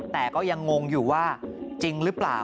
แต่ก็ยังงงอยู่ว่าจริงหรือเปล่า